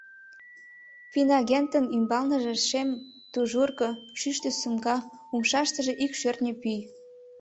Финагентын ӱмбалныже шем тужурко, шӱштӧ сумка, умшаштыже ик шӧртньӧ пӱй.